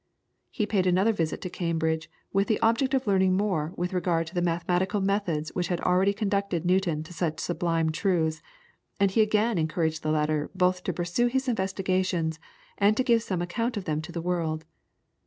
He paid another visit to Cambridge with the object of learning more with regard to the mathematical methods which had already conducted Newton to such sublime truths, and he again encouraged the latter both to pursue his investigations, and to give some account of them to the world.